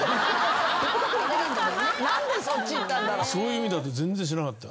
そういう意味だって全然知らなかった。